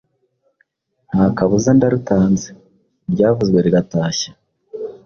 Nta kabuza ndarutanze! Iryavuzwe riratashye!